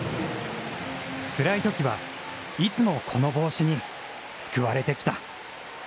つらいときは、いつもこの帽子に救われてきた。